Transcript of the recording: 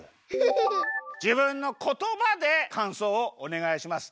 じぶんの言葉でかんそうをおねがいします。